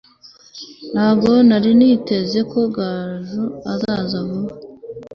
ntabwo nari niteze ko jabo azaza vuba